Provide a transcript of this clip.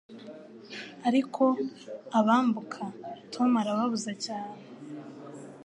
Ariko abambuka Tom arababuza cyane